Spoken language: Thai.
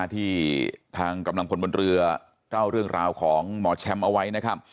ที่ทางกำลังพลบนเรือเล่าเรื่องราวของหมอแชมป์เอาไว้นะครับ